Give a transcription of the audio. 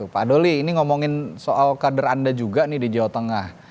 pak doli ini ngomongin soal kader anda juga nih di jawa tengah